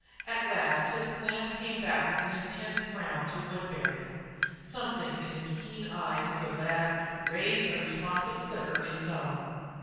At last his glance came back with an intent frown to Woodbury. Something in the keen eyes of the lad raised a responsive flicker in his own.